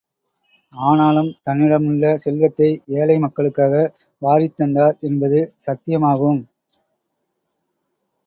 ஆனாலும், தன்னிடமுள்ள செல்வத்தை ஏழை மக்களுக்காக வாரித் தந்தார் என்பது சத்தியமாகும்.